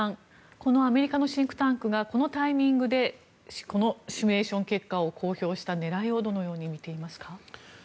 このアメリカのシンクタンクがこのタイミングでシミュレーション結果を公表した狙いをどのように見ていますか？